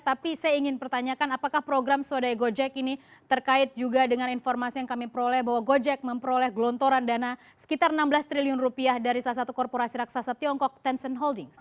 tapi saya ingin pertanyakan apakah program swadaya gojek ini terkait juga dengan informasi yang kami peroleh bahwa gojek memperoleh gelontoran dana sekitar enam belas triliun rupiah dari salah satu korporasi raksasa tiongkok tencent holdings